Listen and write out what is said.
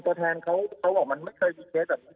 ตัวแทนเขาบอกมันไม่เคยมีเคสแบบนี้